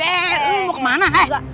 eh lu mau kemana